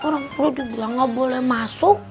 orang orang juga gak boleh masuk